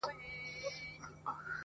سي به څرنګه په کار د غلیمانو -